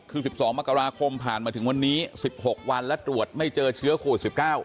คือ๑๒มกราคมผ่านมาถึงวันนี้๑๖วันและตรวจไม่เจอเชื้อโควิด๑๙